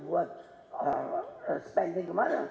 buat spending kemana